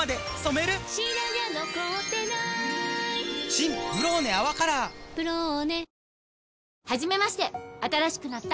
新「ブローネ泡カラー」「ブローネ」